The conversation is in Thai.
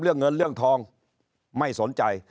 เรื่องเงินเรื่องทองไม่สนใจ